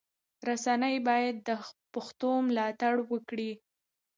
رسنی باید د پښتو ملاتړ وکړي.